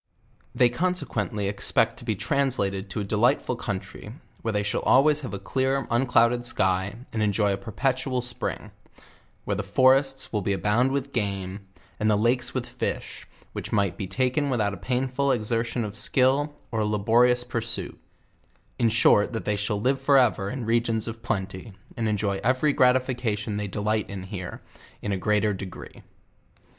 They consequently expect to 03 translated to a delightful country, where they shall always have a clear, unclouded sky, and enjoy a perpetual spring; where the forests will abound with game, and the lakes with fish, which mi^ht be taken without a painful exertion of skill, or a laborious pur suit; in short that they shall live forever in regions of plenty, and enjoy every gratification they delight in here, in a grea ter degree.